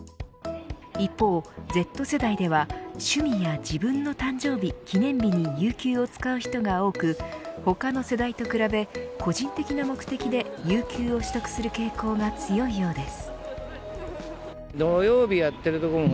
一方、Ｚ世代では趣味や自分の誕生日・記念日に有給を使う人が多く他の世代と比べ、個人的な目的で有給を取得する傾向が強いようです。